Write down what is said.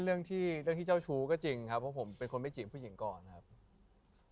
เรื่องที่เรื่องที่เจ้าชู้ก็จริงครับเพราะผมเป็นคนไม่จีบผู้หญิงก่อนครับ